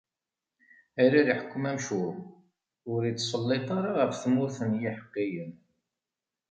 Ala, leḥkwem amcum ur ittselliṭ ara ɣef tmurt n yiḥeqqiyen.